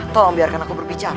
tolong biarkan aku berbicara